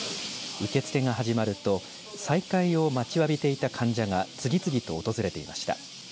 受け付けが始まると再開を待ちわびていた患者が次々と訪れていました。